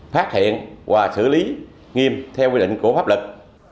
phát hiện và xử lý nghiêm theo quy định của pháp lực